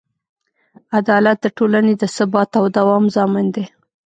عدالت د ټولنې د ثبات او دوام ضامن دی.